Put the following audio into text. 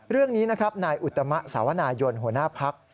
เรื่องนี้นะครับนายอุตมะสาวนายนหัวหน้าพัก